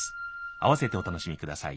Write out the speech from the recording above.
あわせてお楽しみください。